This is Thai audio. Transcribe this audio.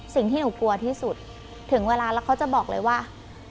สิ่งที่หนูกลัวที่สุดถึงเวลาแล้วเขาจะบอกเลยว่า